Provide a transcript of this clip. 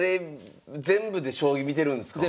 全部で将棋見てるんですか？